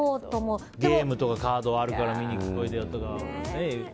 ゲームとかカードがあるから見においでよとかね。